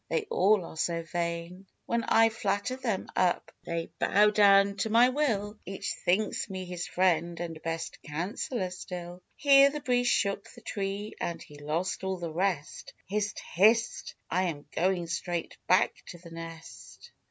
They all are so vain, When I flatter them up, they bow down to my will; Each thinks me his friend and best counsellor still !" Here the breeze shook the tree, and he lost all the rest. "Hist! hist! I am going straight back to the nest.